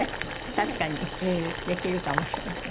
確かにできるかもしれません。